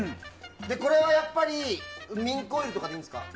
これはやっぱりミンクオイルでいいんですか？